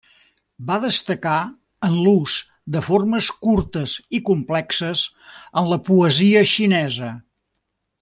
Va destacar en l'ús de formes curtes i complexes en la poesia xinesa.